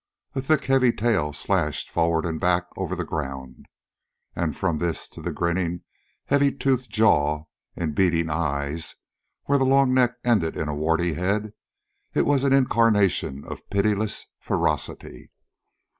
A thick, heavy tail slashed forward and back over the ground. And from this to the grinning, heavy toothed jaws and beady eyes where the long neck ended in a warty head, it was an incarnation of pitiless ferocity.